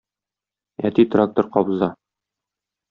Әти трактор кабыза